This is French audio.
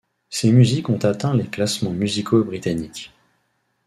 Ces musiques ont atteint les classements musicaux britanniques.